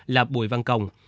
là bùi văn công